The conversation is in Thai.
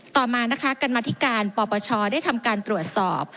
ต่อมากรรมกรรมัฐิการรภ์ปปชได้ทำการตรวจสอบ